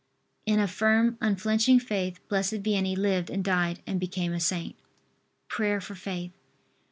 In a firm unflinching faith Blessed Vianney lived and died and became a saint. PRAYER FOR FAITH.